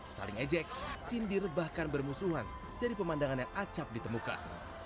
saling ejek sindir bahkan bermusuhan jadi pemandangan yang acap ditemukan